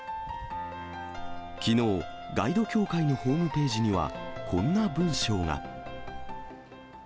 きのう、ガイド協会のホームページには、こんな文章が。